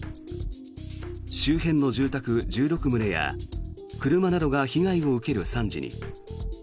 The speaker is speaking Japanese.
周辺の住宅１６棟や車などが被害を受ける惨事に。